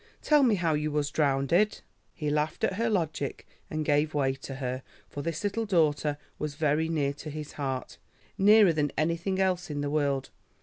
Tell me how you was drownded." He laughed at her logic and gave way to her, for this little daughter was very near to his heart, nearer than anything else in the world.